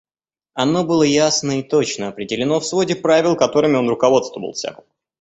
Оно было ясно и точно определено в своде правил, которыми он руководствовался.